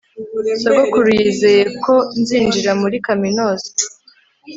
Sogokuru yizeye ko nzinjira muri kaminuza